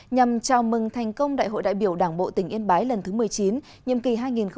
nhằm chào mừng thành công đại hội đại biểu đảng bộ tỉnh yên bái lần thứ một mươi chín nhiệm kỳ hai nghìn hai mươi hai nghìn hai mươi năm